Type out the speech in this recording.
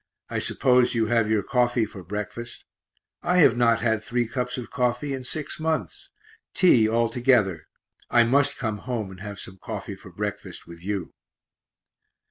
I suppose you have your coffee for breakfast; I have not had three cups of coffee in six months tea altogether (I must come home and have some coffee for breakfast with you).